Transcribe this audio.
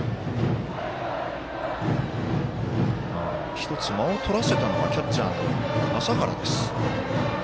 １つ、間をとらせたのがキャッチャーの麻原です。